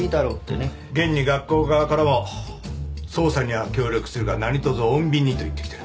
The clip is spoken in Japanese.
現に学校側からも捜査には協力するが何とぞ穏便にと言ってきてる。